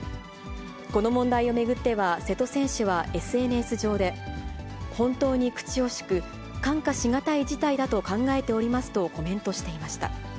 この問題を巡っては瀬戸選手はＳＮＳ上で、本当に口惜しく、看過し難い事態だと考えておりますとコメントしていました。